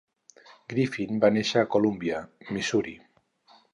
Griffin va néixer a Columbia, Missouri.